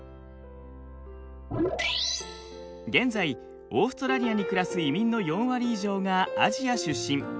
現在オーストラリアに暮らす移民の４割以上がアジア出身。